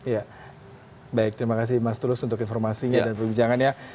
ya baik terima kasih mas tulus untuk informasinya dan perbincangannya